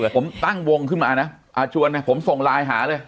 ผมตั้งวงขึ้นมานะชวนนะผมส่งไลน์หาเลย